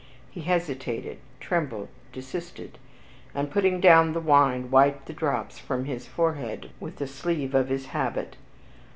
He hesitated, trembled, desisted; and, putting down the wine, wiped the drops from his forehead with the sleeve of his habit.